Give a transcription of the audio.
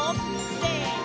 せの！